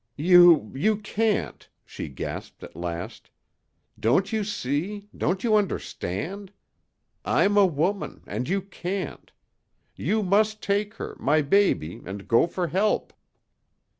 "You you can't," she gasped, at last. "Don't you see don't you understand? I'm a woman and you can't. You must take her my baby and go for help."